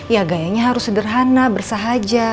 ya gayanya harus sederhana bersahaja